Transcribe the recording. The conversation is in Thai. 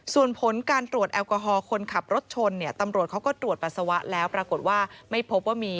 ส่วนผลการตรวจแอลกอฮอล์คนขับรถชนเนี่ยตำรวจเขาก็ตรวจปัสสาวะแล้วปรากฏว่าไม่พบว่ามี